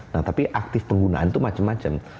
nah tapi aktif penggunaan itu macam macam